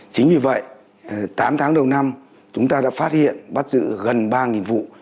chính vì vậy tám tháng đầu năm chúng ta đã phát hiện bắt giữ gần ba vụ